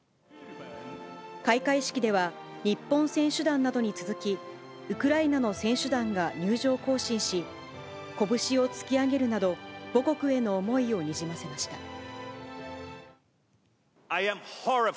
開会式では、日本選手団などに続き、ウクライナの選手団が入場行進し、拳を突き上げるなど、母国への思いをにじませました。